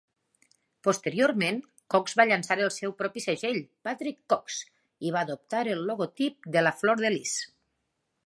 Posteriorment, Cox va llançar el seu propi segell, Patrick Cox, i va adoptar el logotip de la flor de lis.